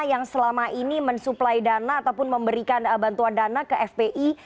yang selama ini mensuplai dana ataupun memberikan bantuan dana ke fpi